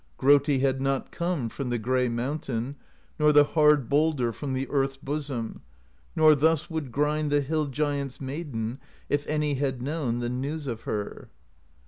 'Grotti had not come From the gray mountain, Nor the hard boulder From the earth's bosom, Nor thus would grind The Hill Giants' Maiden, If any had known The news of her.